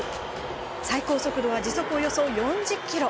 最高速度は時速およそ４０キロ。